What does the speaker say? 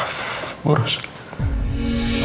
af buruk sekali